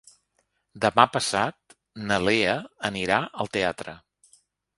Demà passat na Lea anirà al teatre.